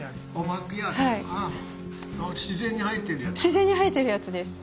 自然に生えてるやつですか？